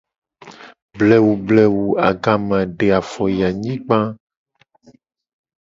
Blewu blewu agama de afo yi anyigba :